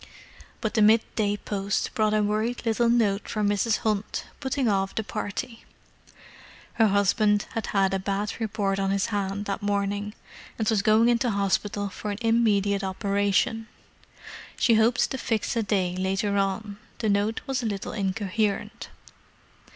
But the mid day post brought a worried little note from Mrs. Hunt, putting off the party. Her husband had had a bad report on his hand that morning, and was going into hospital for an immediate operation. She hoped to fix a day later on—the note was a little incoherent.